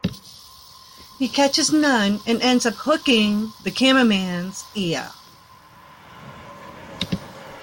He catches none and ends up hooking the cameraman's ear.